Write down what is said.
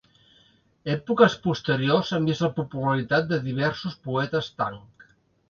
Èpoques posteriors han vist la popularitat de diversos poetes Tang.